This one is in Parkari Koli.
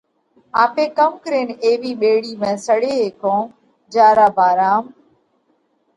آپي ڪم ڪرينَ ايوِي ٻيڙِي ۾ سڙي هيڪونه جيا را ڀارام